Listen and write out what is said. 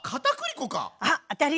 あっ当たり！